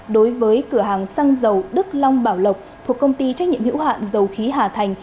đối với cửa hàng xăng dầu đức long bảo lộc thuộc công ty trách nhiệm hữu hạn dầu khí hà thành